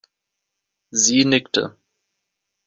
Sie nickte.